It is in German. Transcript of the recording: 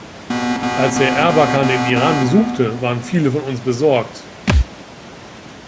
Als Herr Erbakan den Iran besuchte, waren viele von uns besorgt.